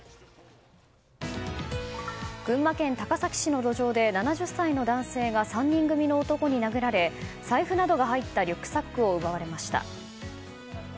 群馬県高崎市の路上で７０歳の男性が３人組の男に殴られ財布などが入ったリュックサックを奪われました。